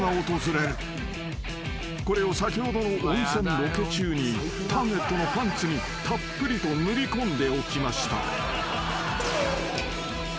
［これを先ほどの温泉ロケ中にターゲットのパンツにたっぷりと塗り込んでおきました］